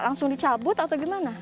langsung dicabut atau gimana